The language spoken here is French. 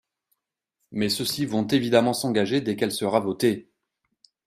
Mais ceux-ci vont évidemment s’engager dès qu’elle sera votée.